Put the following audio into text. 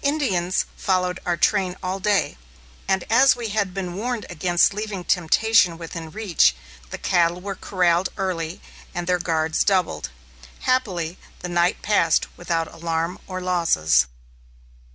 Indians had followed our train all day, and as we had been warned against leaving temptation within reach, the cattle were corralled early and their guards doubled. Happily, the night passed without alarm or losses.